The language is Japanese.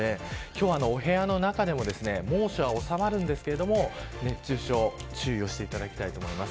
今日はお部屋の中でも猛暑は収まりますが熱中症に注意していただきたいと思います。